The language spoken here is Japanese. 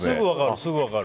すぐ分かる。